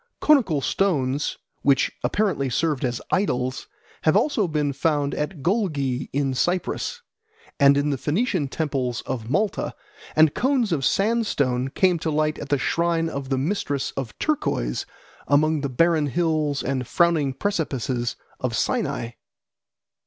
Conical stones, which apparently served as idols, have also been found at Golgi in Cyprus, and in the Phoenician temples of Malta; and cones of sandstone came to light at the shrine of the "Mistress of Torquoise" among the barren hills and frowning precipices of Sinai.